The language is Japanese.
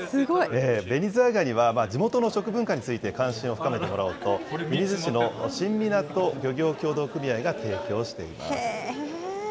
ベニズワイガニは地元の食文化について関心を深めてもらおうと、射水市の新湊漁業協同組合が提供しています。